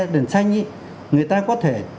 đèn xanh ý người ta có thể